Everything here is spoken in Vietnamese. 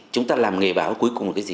chúng ta làm nghề báo cuối cùng là cái gì